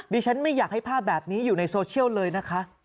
ดิฉันไม่อยากให้ภาพแบบนี้อยู่ในโซเชียลเลยนะคะ